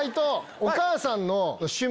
お母さんの趣味。